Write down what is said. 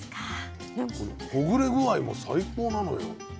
このほぐれ具合も最高なのよ。